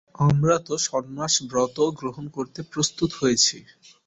আমরা তো সন্ন্যাস ব্রত গ্রহণ করতে প্রস্তুত হয়েছি।